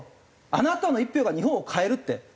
「あなたの一票が日本を変える」って。